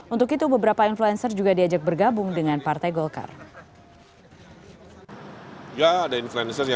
untuk itu beberapa influencer juga diperhatikan